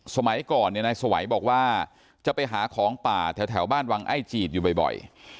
สมัยก่อนนายสวัยบอกว่าจะไปหาของป่าแถวบ้านวังไอ้จีดอยู่บ่อย